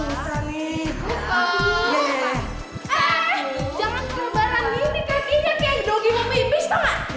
eh jangan kelebaran gini kakinya kaya dogi mau mipis tau gak